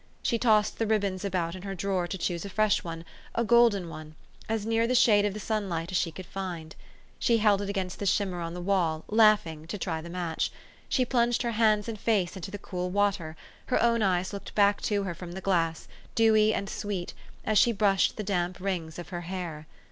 She tossed the ribbons about in her drawer to choose a fresh one, a golden one, as near the shade of the sunlight as she could find. She held it against the shimmer on the wall, laughing, to try the match. She plunged her hands and face into the cool water ; her own eyes looked back to her from the glass, dewy and sweet, as she brushed the damp rings of her hair.